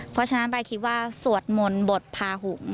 เพราะฉะนั้นใบคิดว่าสวดมนต์บทพาหุง